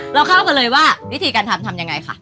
เราเข้ากันเลยว่าวิธีการทำทำยังไงค่ะ